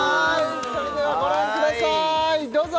それではご覧くださいどうぞ！